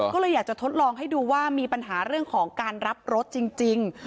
ก็เลยอยากจะทดลองให้ดูว่ามีปัญหาเรื่องของการรับรถจริง